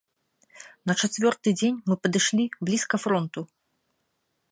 На чацвёрты дзень мы падышлі блізка фронту.